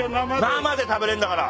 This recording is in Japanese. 生で食べれんだから。